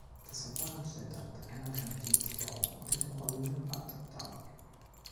Das Verfahren stellt damit eine Alternative zum Bauen unter dem rollenden Rad dar.